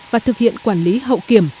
và thực hiện quản lý hậu kiểm